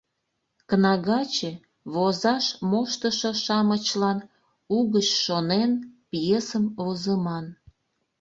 Кнагаче, возаш моштышо-шамычлан, угыч шонен, пьесым возыман.